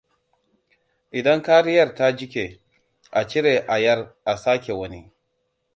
idan kariyar ta jike a cire a yar a sake wani.